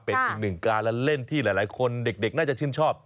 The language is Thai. เป็นอีกหนึ่งการเล่นที่หลายคนเด็กน่าจะชื่นชอบ